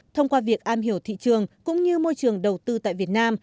thông qua việc am hiểu thị trường cũng như môi trường đầu tư tại việt nam